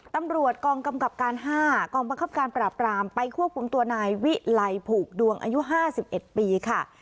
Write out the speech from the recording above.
ตำรวจกองกำกับการ๕กองบังคับการปราบรามไปควบคุมตัวนายวิไลผูกดวงอายุ๕๑ปีค่ะ